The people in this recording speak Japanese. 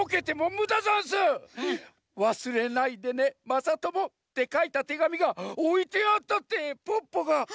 まさとも」ってかいたてがみがおいてあったってポッポが！